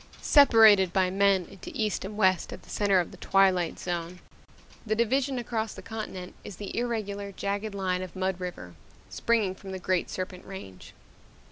Separated by men into East and West at the center of the Twilight Zone, the division across the continent is the irregular, jagged line of Mud River, springing from the Great Serpent Range.